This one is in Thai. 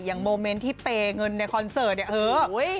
อย่างเมื่อกี้ที่เพรย์เงินในคอนเสริร์ตเนี่ย